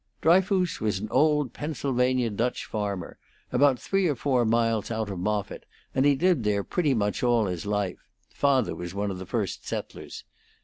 Dryfoos was an old Pennsylvania Dutch farmer, about three or four miles out of Moffitt, and he'd lived there pretty much all his life; father was one of the first settlers.